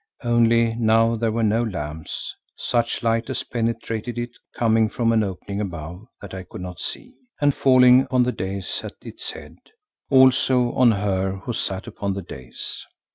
Only now there were no lamps, such light as penetrated it coming from an opening above that I could not see, and falling upon the dais at its head, also on her who sat upon the dais.